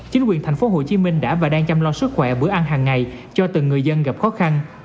chính quyền thành phố hồ chí minh đã và đang chăm lo sức khỏe bữa ăn hàng ngày cho từng người dân gặp khó khăn